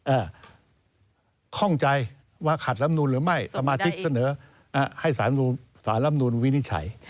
ข้องใจว่าขัดลำนูนหรือไม่สมาธิกเสนอให้สารลำนูนวินิจฉัย